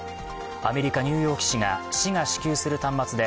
アメリカ・ニューヨーク市が市が支給する端末で